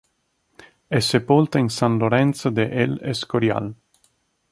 È sepolta in San Lorenzo de El Escorial.